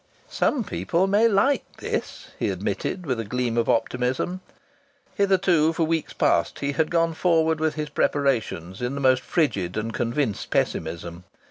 "Some people may like this!" he admitted, with a gleam of optimism. Hitherto, for weeks past, he had gone forward with his preparations in the most frigid and convinced pessimism.